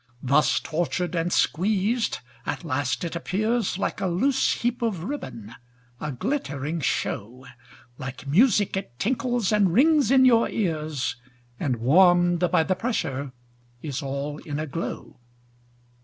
Thus tortured and squeezed, at last it appears Like a loose heap of ribbon, a glittering show, Like music it tinkles and rings in your ears, And warm'd by the pressure is all in a glow.